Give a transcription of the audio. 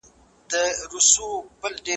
آیا پوښتنه تر ځواب لنډه وي؟